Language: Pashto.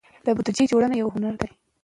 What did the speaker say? د بودیجې جوړونه یو هنر دی.